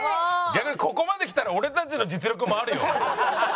逆にここまできたら俺たちの実力もあるよ。